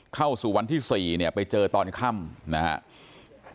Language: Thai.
เข้าสู่วันที่๔เนี่ยไปเจอตอนค่ำนะครับ